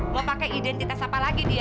gue pakai identitas apa lagi dia